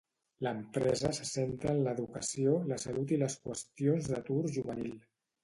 L'empresa se centra en l'educació, la salut i les qüestions d'atur juvenil.